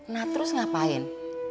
nah terus ngapain